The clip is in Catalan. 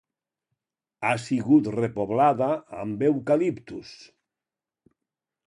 Ha sigut repoblada amb eucaliptus.